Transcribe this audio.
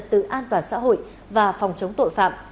từ an toàn xã hội và phòng chống tội phạm